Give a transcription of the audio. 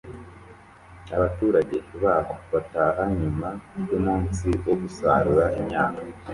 Abaturage baho bataha nyuma yumunsi wo gusarura imyaka